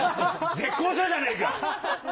絶好調じゃねぇか。